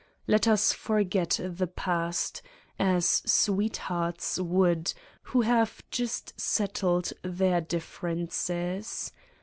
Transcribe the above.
Let us forget the past, as sweethearts would who have just settled their differences.